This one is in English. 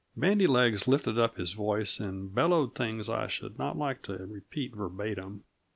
Bandy legs lifted up his voice and bellowed things I should not like to repeat verbatim.